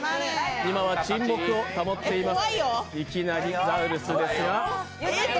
今は沈黙を保っています。